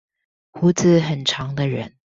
鬍子很長的人